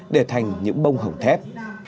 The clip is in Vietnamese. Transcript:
để thành những bông hồng thép